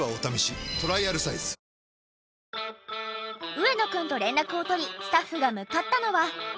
上野くんと連絡を取りスタッフが向かったのは。